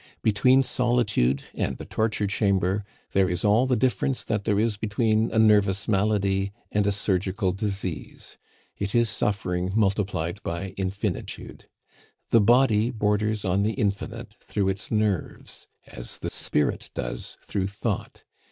Between solitude and the torture chamber there is all the difference that there is between a nervous malady and a surgical disease. It is suffering multiplied by infinitude. The body borders on the infinite through its nerves, as the spirit does through thought.